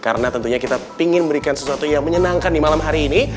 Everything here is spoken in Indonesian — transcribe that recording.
karena tentunya kita pingin memberikan sesuatu yang menyenangkan di malam hari ini